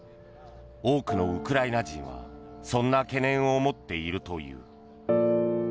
多くのウクライナ人はそんな懸念を持っているという。